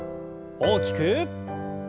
大きく。